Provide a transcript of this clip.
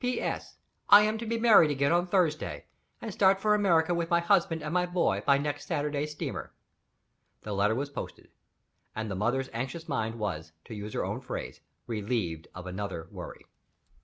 P.S. I am to be married again on Thursday, and start for America with my husband and my boy by next Saturday's steamer." The letter was posted; and the mother's anxious mind was, to use her own phrase, relieved of another worry.